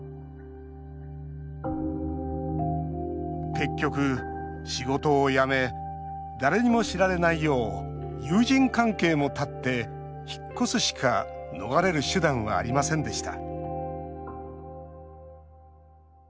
結局、仕事を辞め誰にも知られないよう友人関係も断って引っ越すしか逃れる手段はありませんでした